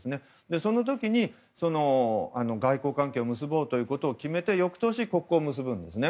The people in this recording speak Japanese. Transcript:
その時に外交関係を結ぼうということを決めて翌年、国交を結ぶんですね。